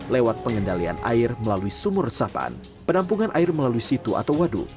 lewat pengendalian air melalui sumur resapan penampungan air melalui situ atau waduk